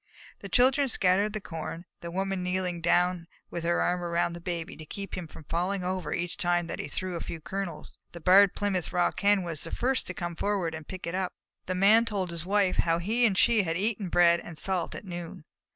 The children scattered the corn, the Woman kneeling down with her arm around the Baby, to keep him from falling over each time that he threw a few kernels. The Barred Plymouth Rock Hen was the first to come forward to pick it up, and the Man told his wife how he and she had eaten bread and salt at noon.